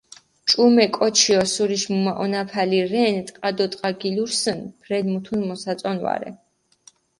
ჭუმე კოჩი ოსურიში მჷმაჸონაფალი რენ, ტყა დო ტყას გილურსჷნ, ბრელი მუთუნ მოსაწონი ვარე.